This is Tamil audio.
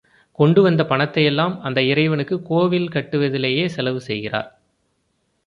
கொண்டு வந்த பணத்தையெல்லாம் அந்த இறைவனுக்குக் கோயில் கட்டுவதிலேயே செலவு செய்கிறார்.